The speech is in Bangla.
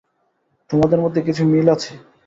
তোমাদের মধ্যে কিছু মিল আছে।